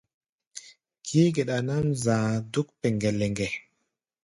Kií-geɗa nʼǎm za̧a̧ dúk pɛŋgɛ-lɛŋgɛ.